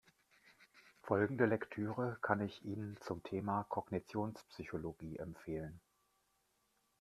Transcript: Folgende Lektüre kann ich Ihnen zum Thema Kognitionspsychologie empfehlen.